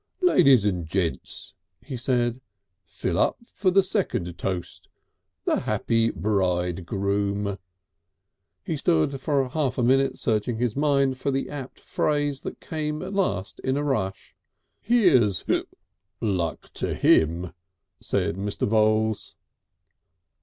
"Ladies and gents," he said, "fill up for the second toast: the happy Bridegroom!" He stood for half a minute searching his mind for the apt phrase that came at last in a rush. "Here's (hic) luck to him," said Mr. Voules.